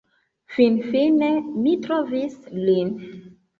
Finfine mi trovis lin